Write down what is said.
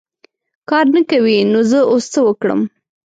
کار نه کوې ! نو زه اوس څه وکړم .